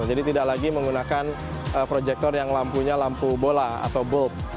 jadi tidak lagi menggunakan proyektor yang lampunya lampu bola atau bulb